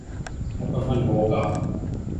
مکمل ہو گا۔